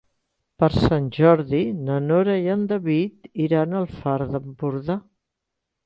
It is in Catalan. Per Sant Jordi na Nora i en David iran al Far d'Empordà.